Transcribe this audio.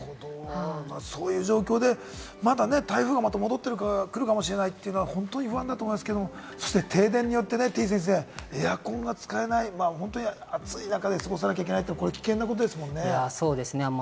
そういう状況でまた台風が戻ってくるかもしれないというのは本当に不安だと思いますけれども、そして停電によってね、てぃ先生、エアコンが使えない、本当に暑い中で過ごさなきゃいけない、危険なことですもんね。